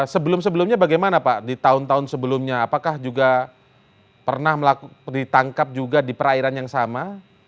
sebelum sebelumnya bagaimana pak di tahun tahun sebelumnya apakah juga pernah ditangkap juga di perairan yang sama